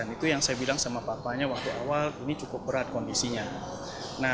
itu yang saya bilang sama papanya waktu awal ini cukup berat kondisinya